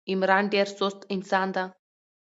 عمران ډېر سوست انسان ده.